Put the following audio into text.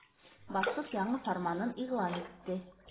Башлыҡ яңы фарманын иғлан итте: